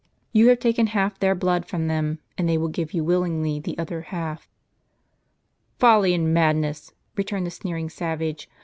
You have taken half their blood from them, and they will give you willingly the other half." " Folly and madness !" returned the sneering savage.